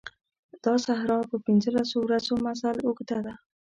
دا صحرا د پنځه لسو ورځو مزل اوږده ده.